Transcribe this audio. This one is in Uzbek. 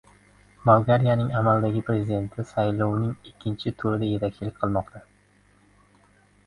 Bolgariyaning amaldagi prezidenti saylovining ikkinchi turida yetakchilik qilmoqda